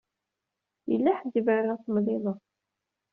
Yella ḥedd i bɣiɣ ad temlileḍ.